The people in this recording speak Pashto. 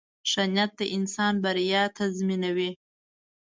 • ښه نیت د انسان بریا تضمینوي.